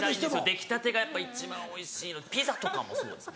出来たてがやっぱ一番おいしいピザとかもそうです。